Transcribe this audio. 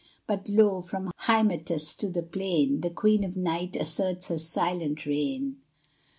But lo! from high Hymettus to the plain, The queen of night asserts her silent reign.